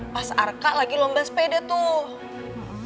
pas arka lagi lomba sepeda tuh